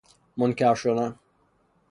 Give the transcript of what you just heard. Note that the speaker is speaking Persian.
منکر شدن